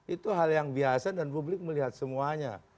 itu hal yang biasa dan publik melihat semuanya